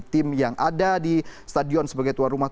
tim yang ada di stadion sebagai tuan rumah